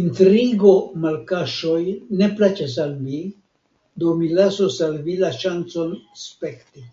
Intrigo-malkaŝoj ne plaĉas al mi, do mi lasos al vi la ŝancon spekti.